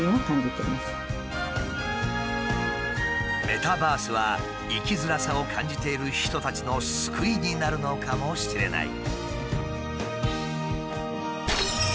メタバースは生きづらさを感じている人たちの救いになるのかもしれない。